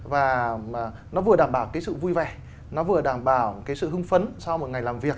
và nó vừa đảm bảo cái sự vui vẻ nó vừa đảm bảo cái sự hưng phấn sau một ngày làm việc